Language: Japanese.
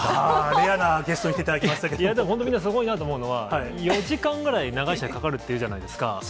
レアなゲストに来ていただきいや、みんなすごいなと思うのは、４時間ぐらい、長い試合、かかるっていうじゃないですか。